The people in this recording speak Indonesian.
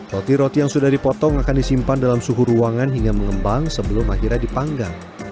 roti roti yang sudah dipotong akan disimpan dalam suhu ruangan hingga mengembang sebelum akhirnya dipanggang